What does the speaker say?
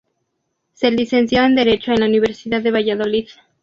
Se licenció en Derecho en la Universidad de Valladolid.